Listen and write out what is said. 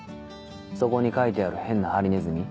そこに描いてある変なハリネズミ。